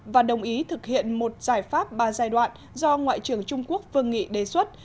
và đồng ý thực hiện một giải pháp ba giai đoạn do ngoại trưởng trung quốc vương nghị đề xuất